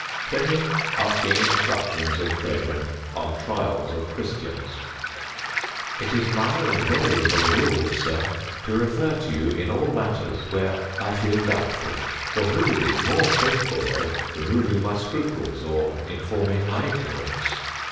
PLINY ASKING INSTRUCTIONS OF TRAJAN ON TRIALS OF CHRISTIANS It is my invariable rule, Sir, to refer to you in all matters where I feel doubtful; for who is more capable of removing my scruples, or informing my ignorance?